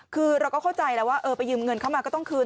คือเราก็เข้าใจแล้วว่าเออไปยืมเงินเข้ามาก็ต้องคืน